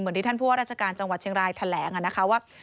เหมือนที่ท่านพ่อราชการจังหวัดเชียงรายแถลงอะนะคะว่า